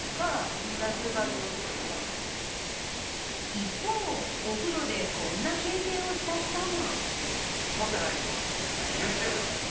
一方、お風呂でこんな経験をした人も。